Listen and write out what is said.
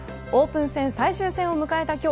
オープン戦最終戦を迎えた